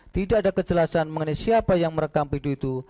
tidak ada kejelasan mengenai siapa yang merekam video itu